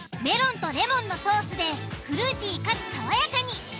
メロンとレモンのソースでフルーティーかつ爽やかに。